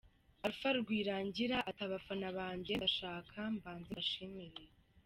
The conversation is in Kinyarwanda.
Alpha Rwirangira ati “ Abafana banjye ndashaka mbanze mbashimire.